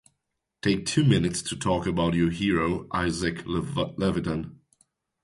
Take two minutes to talk about your hero Isaac Levitan.